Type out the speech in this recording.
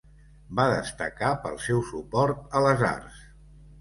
Va destacar pel seu suport a les arts.